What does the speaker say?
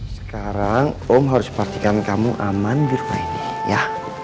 sekarang om harus pastikan kamu aman di rumah ini ya